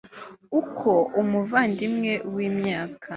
uko umuvandimwe w imyaka